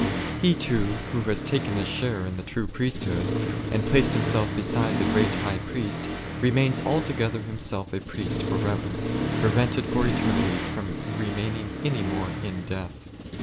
He too who has taken his share in the true priesthood and placed himself beside the Great High Priest remains altogether himself a priest for ever, prevented for eternity from 4 Exod. xix. 15. S Dan. vii (A remaining any more in death.